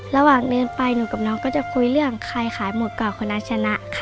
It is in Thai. ระหว่างเดินไปหนูกับน้องก็จะคุยเรื่องใครขายหมดก่อนคุณอาชนะค่ะ